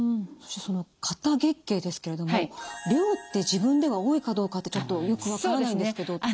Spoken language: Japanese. その過多月経ですけれども量って自分では多いかどうかってちょっとよく分からないんですけど。